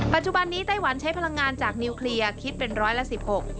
ปัจจุบันนี้ไต้หวันใช้พลังงานจากนิวเคลียร์คิดเป็นร้อยละสิบหก